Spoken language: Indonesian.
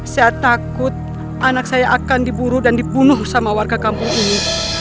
saya takut anak saya akan diburu dan dibunuh sama warga kampung ini